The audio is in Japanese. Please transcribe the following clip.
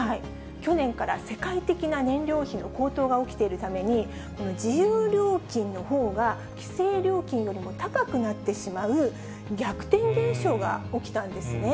去年から世界的な燃料費の高騰が起きているために、自由料金のほうが規制料金よりも高くなってしまう、逆転現象が起きたんですね。